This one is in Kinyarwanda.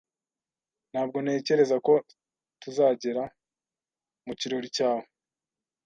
Ntabwo ntekereza ko tuzagera mu kirori cyawe.